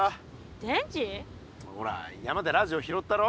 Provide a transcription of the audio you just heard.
ほら山でラジオ拾ったろ。